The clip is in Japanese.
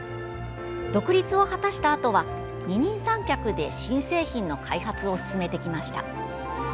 独立を果たしたあとは二人三脚で新製品の開発を進めてきました。